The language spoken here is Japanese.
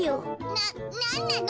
ななんなの！？